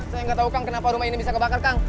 saya nggak tahu kang kenapa rumah ini bisa kebakar kang